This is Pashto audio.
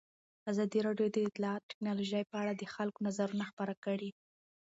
ازادي راډیو د اطلاعاتی تکنالوژي په اړه د خلکو نظرونه خپاره کړي.